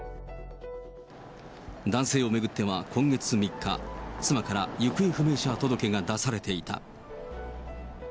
男性を巡っては今月３日、妻から行方不明者届が出されていた。